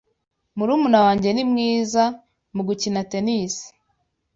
Murumuna wanjye ni mwiza mu gukina tennis.